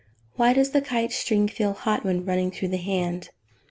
_Why does the kite string feel hot when running through the hand?